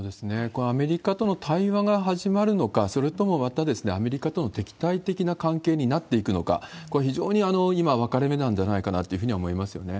これはアメリカとの対話が始まるのか、それともまた、アメリカとの敵対的な関係になっていくのか、これ、非常に今、分かれ目なんじゃないかなというふうに思いますよね。